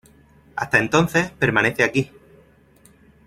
Hasta entonces, permanece aquí.